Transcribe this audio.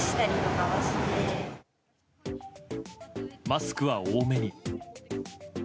マスクは多めに。